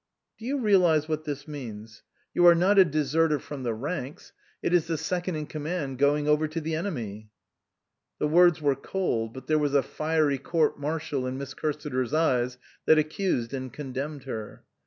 " Do you realize what this means ? You are 3H MISS QUINCEY STANDS BACK not a deserter from the ranks. It is the second in command going over to the enemy." The words were cold, but there was a fiery court martial in Miss Cursiter's eyes that accused and condemned her.